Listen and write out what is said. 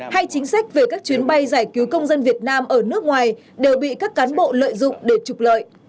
hay chính sách về các chuyến bay giải cứu công dân việt nam ở nước ngoài đều bị các cán bộ lợi dụng để trục lợi